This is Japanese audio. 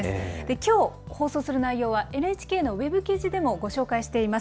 きょう、放送する内容はＮＨＫのウェブ記事でもご紹介しています。